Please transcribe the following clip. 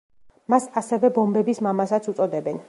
მას ასევე ბომბების მამასაც უწოდებენ.